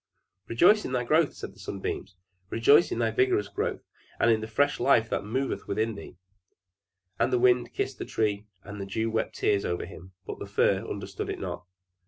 "Rejoice in thy growth!" said the Sunbeams. "Rejoice in thy vigorous growth, and in the fresh life that moveth within thee!" And the Wind kissed the Tree, and the Dew wept tears over him; but the Fir understood it not.